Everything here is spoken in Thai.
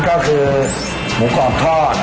ก็คือหมูกรอบทอด